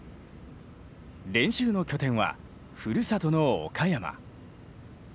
練習の拠点はふるさとの岡山。